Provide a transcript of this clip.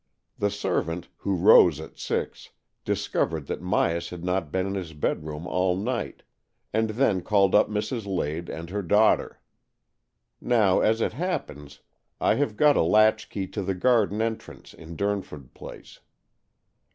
The servant, who rose at six, discovered that Myas had not been in his bedroom all night. AN EXCHANGE OF SOULS 111 and then called up Mrs. Lade and her daughter. Now, as it happens, I have got a latchkey to the garden entrance in Durn ford Place.